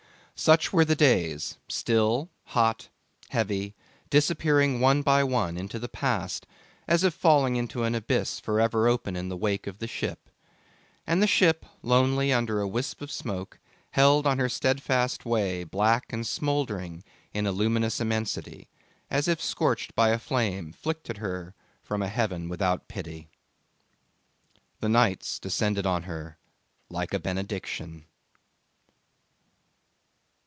Such were the days, still, hot, heavy, disappearing one by one into the past, as if falling into an abyss for ever open in the wake of the ship; and the ship, lonely under a wisp of smoke, held on her steadfast way black and smouldering in a luminous immensity, as if scorched by a flame flicked at her from a heaven without pity. The nights descended on her like a benediction.